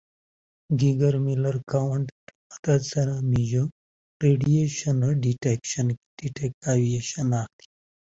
W'ajaluo w'ew'oka kupoia w'andu agha matuku.